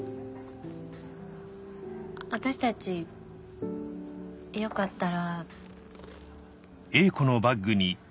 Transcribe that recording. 私たちよかったら。